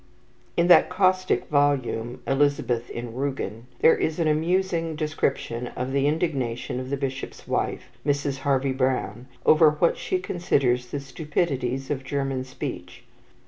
In that caustic volume, "Elizabeth in Rugen," there is an amusing description of the indignation of the bishop's wife, Mrs. Harvey Browne, over what she considers the stupidities of German speech.